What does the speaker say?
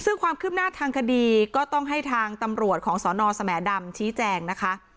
ซึ่งความคืบหน้าทางคดีก็ต้องให้ทางตำรวจของสนสแหมดำชี้แจงนะคะ